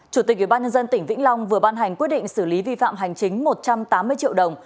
chủ tịch ủy ban nhân dân tỉnh vĩnh long vừa ban hành quyết định xử lý vi phạm hành chính một trăm tám mươi triệu đồng